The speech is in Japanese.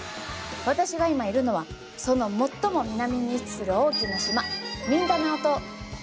私が今いるのはその最も南に位置する大きな島ミンダナオ島。